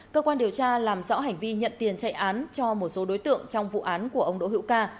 cơ quan điều tra làm rõ hành vi nhận tiền chạy án cho một số đối tượng trong vụ án của ông đỗ hữu ca